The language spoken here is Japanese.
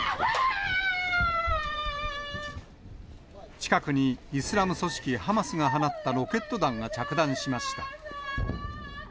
近くにイスラム組織ハマスが放ったロケット弾が着弾しました。